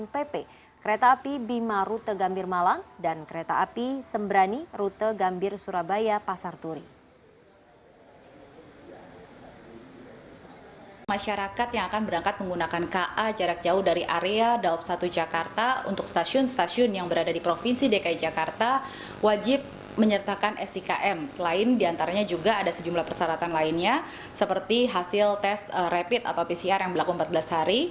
pertama kereta api yang tersebut diantaranya dengan tujuan bandung cirebon dan surabaya